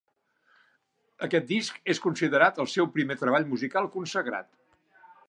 Aquest disc és considerat el seu primer treball musical consagrat.